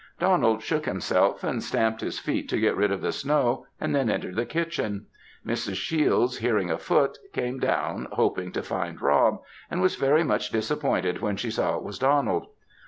Donald shook himself, and stamped his feet to get rid of the snow, and then entered the kitchen. Mrs. Shiels hearing a foot, came down, hoping to find Rob; and was very much disappointed when she saw it was Donald.